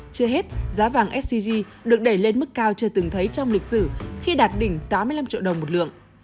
chưa hết giá vàng sgc được đẩy lên mức cao chưa từng thấy trong lịch sử khi đạt đỉnh tám mươi năm triệu đồng một lượng